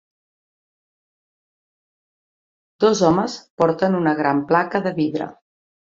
Dos homes porten una gran placa de vidre.